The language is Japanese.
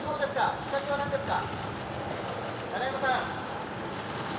きっかけは何ですか？